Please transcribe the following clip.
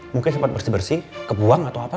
mungkin sempat bersih bersih kebuang atau apa